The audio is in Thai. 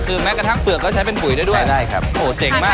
คือแม้กระทั่งเปลือกก็ใช้เป็นปุ๋ยได้ด้วยใช่ครับโอ้โหเจ๋งมาก